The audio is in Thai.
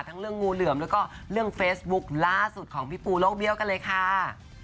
เรื่องงูเหลือมแล้วก็เรื่องเฟซบุ๊คล่าสุดของพี่ปูโลกเบี้ยกันเลยค่ะ